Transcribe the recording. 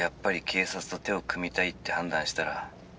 ☎警察と手を組みたいって判断したら